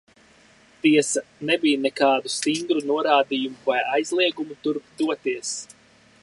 Tiesa, nebija nekādu stingru norādījumu vai aizliegumu turp doties.